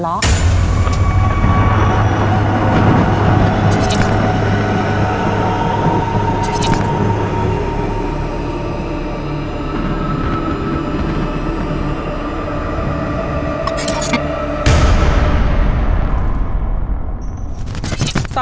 แล้วเขาหวัดล้อ